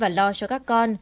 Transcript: và lo cho các con